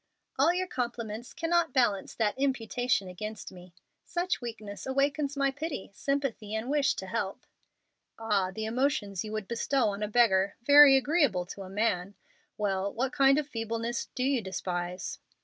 "All your compliments cannot balance that imputation against me. Such weakness awakens my pity, sympathy, and wish to help." "Ah! the emotions you would bestow on a beggar very agreeable to a man. Well, what kind of feebleness do you despise?"